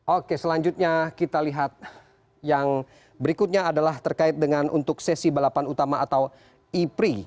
oke selanjutnya kita lihat yang berikutnya adalah terkait dengan untuk sesi balapan utama atau ipri